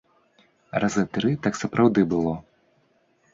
Разы тры так сапраўды было.